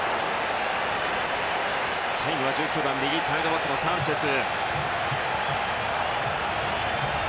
最後は１９番右サイドバックのサンチェス。